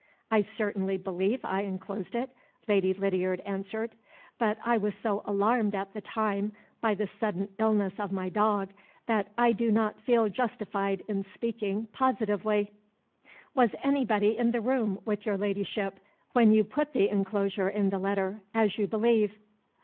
"I certainly believe I inclosed it," Lady Lydiard answered. "But I was so alarmed at the time by the sudden illness of my dog, that I do not feel justified in speaking positively." "Was anybody in the room with your Ladyship when you put the inclosure in the letter as you believe?"